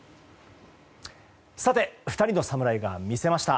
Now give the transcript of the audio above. さて、２人のサムライが見せました。